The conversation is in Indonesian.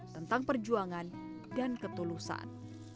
tentang perjuangan dan ketulusan